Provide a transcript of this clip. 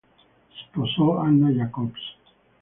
Sposò Anna Jacobs.